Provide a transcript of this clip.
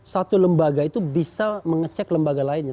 satu lembaga itu bisa mengecek lembaga lainnya